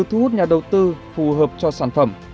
thu hút nhà đầu tư phù hợp cho sản phẩm